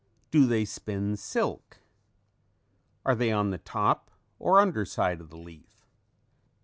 Do they spin silk? Are they on the top or under side of the leaf?